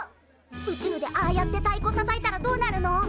宇宙でああやってたいこたたいたらどうなるの？